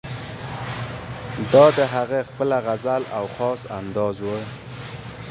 دا د هغه خپله غزل او خاص انداز وو.